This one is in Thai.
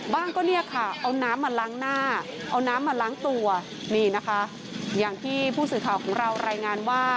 บ้างก็เนี่ยค่ะเอาน้ำมาล้างหน้าเอาน้ำมาล้างตัวนี่นะคะอย่างที่ผู้สื่อข่าวของเรารายงานว่า